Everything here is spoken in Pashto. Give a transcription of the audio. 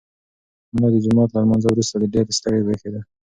ملا د جومات له لمانځه وروسته ډېر ستړی برېښېده.